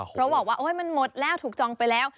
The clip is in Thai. เพราะบอกว่ามันหมดแล้วถูกจองไปแล้ว